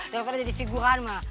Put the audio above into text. daripada jadi figuran mah